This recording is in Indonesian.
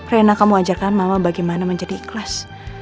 rena kamu ajarkan mama bagaimana menjadi ikhlas